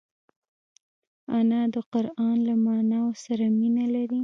انا د قران له معناوو سره مینه لري